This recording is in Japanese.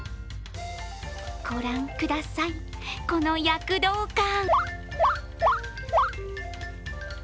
ご覧ください、この躍動感。